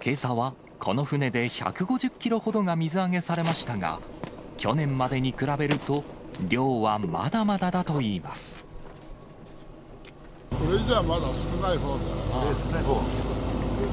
けさはこの船で１５０キロほどが水揚げされましたが、去年までに比べると、これじゃあ、まだ少ないほうだよな。